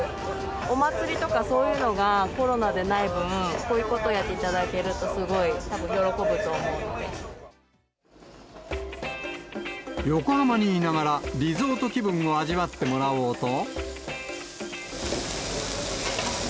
お祭りとか、そういうのがコロナでない分、こういうことやっていただけると、すごいたぶん喜ぶと横浜にいながら、リゾート気分を味わってもらおうと。